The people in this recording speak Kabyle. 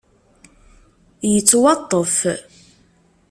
Yettwaṭṭef.